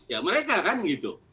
ya mereka kan gitu